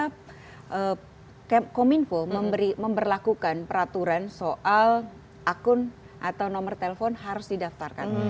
pasca kominfo memberi memberlakukan peraturan soal akun atau nomor telepon harus didaftarkan